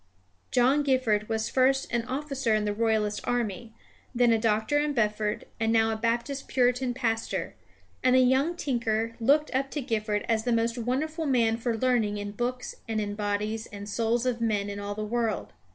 John Gifford was first an officer in the Royalist army, then a doctor in Bedford, and now a Baptist Puritan pastor; and the young tinker looked up to Gifford as the most wonderful man for learning in books and in bodies and souls of men in all the world.